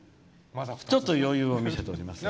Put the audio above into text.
ちょっと、余裕を見せております。